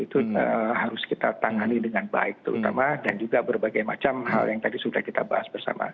itu harus kita tangani dengan baik terutama dan juga berbagai macam hal yang tadi sudah kita bahas bersama